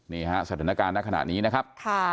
นี่ฮะสถานการณ์ณขณะนี้นะครับ